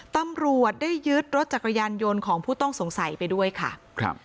ตำรวจได้ยึดรถจักรยานยนต์ของผู้ต้องสงสัยไปด้วยค่ะครับ